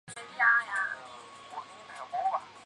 随从不空大师受两部密宗大法及传法阿阇黎位。